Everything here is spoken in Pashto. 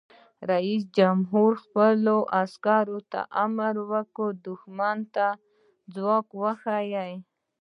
رئیس جمهور خپلو عسکرو ته امر وکړ؛ دښمن ته خپل ځواک وښایئ!